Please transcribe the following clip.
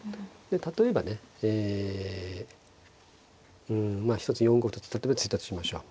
例えばねえうんまあひとつ４五歩と例えば突いたとしましょう。